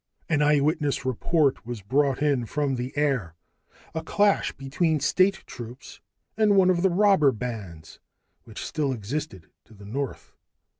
An eyewitness report was brought in from the air a clash between state troops and one of the robber bands which still existed to the north.